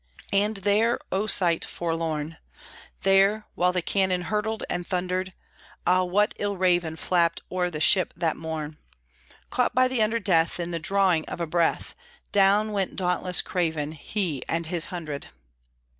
And there, O sight forlorn! There, while the cannon Hurtled and thundered (Ah, what ill raven Flapped o'er the ship that morn!), Caught by the under death, In the drawing of a breath Down went dauntless Craven, He and his hundred!